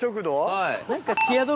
はい。